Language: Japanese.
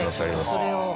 それを。